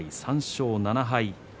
３勝７敗。